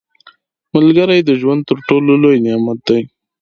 • ملګری د ژوند تر ټولو لوی نعمت دی.